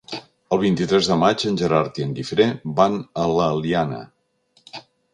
El vint-i-tres de maig en Gerard i en Guifré van a l'Eliana.